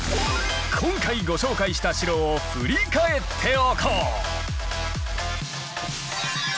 今回ご紹介した城を振り返っておこう。